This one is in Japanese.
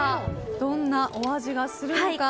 どんなお味がするのか。